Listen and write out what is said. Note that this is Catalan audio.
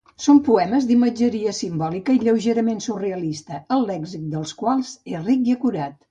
Són poemes d'imatgeria simbòlica i lleugerament surrealista, el lèxic dels quals és ric i acurat.